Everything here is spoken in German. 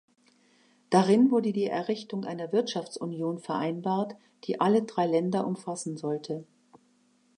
Darin wurde die Errichtung einer Wirtschaftsunion vereinbart, die alle drei Länder umfassen sollte.